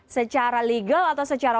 secara legal atau secara